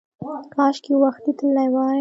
کاشکې وختي تللی وای!